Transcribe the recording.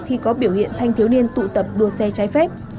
khi có biểu hiện thanh thiếu niên tụ tập đua xe trái phép